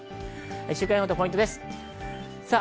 週間予報とポイントです。